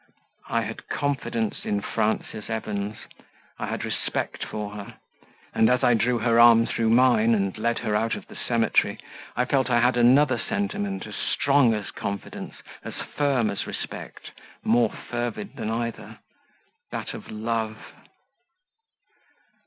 I had confidence in Frances Evans; I had respect for her, and as I drew her arm through mine, and led her out of the cemetery, I felt I had another sentiment, as strong as confidence, as firm as respect, more fervid than either that of love.